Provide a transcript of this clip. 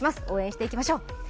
応援していきましょう。